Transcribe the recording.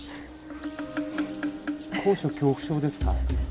高所恐怖症ですか？